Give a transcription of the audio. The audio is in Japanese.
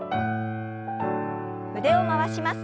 腕を回します。